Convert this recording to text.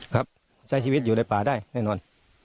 ครับใช้ชีวิตอยู่ในป่าได้แน่นอน